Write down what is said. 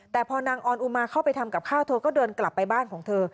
แต่พอนางออนอุมาเข้าไปทำกับข้าวเธอก็เดินกลับไปบ้านของเธอ